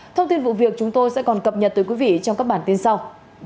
thông tin vụ việc chúng tôi sẽ còn cập nhật tới quý vị trong các bản tin sau